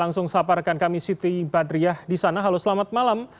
langsung sahabat rekan kami siti badriah disana halo selamat malam